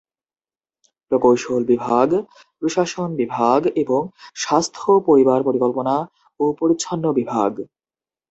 প্রকৌশল বিভাগ, প্রশাসন বিভাগ এবং স্বাস্থ্য পরিবার পরিকল্পনা ও পরিচ্ছন্ন বিভাগ।